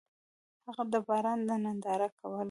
هغه د باران ننداره کوله.